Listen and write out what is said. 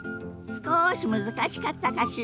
すこし難しかったかしら。